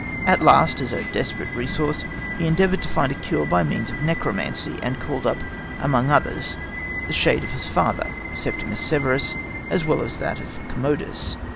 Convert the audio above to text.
At last, as a desperate resource, he endeavoured to find a cure by means of necromancy, and called up, among others, the shade of his father, Septimius Severus, as well as that of Commodus.